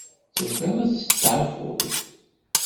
Tebɣiḍ ad testeεfuḍ?